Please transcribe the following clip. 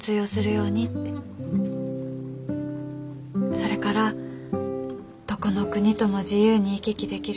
それからどこの国とも自由に行き来できる。